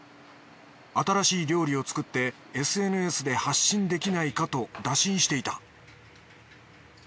新しい料理を作ってＳＮＳで発信できないかと打診していた。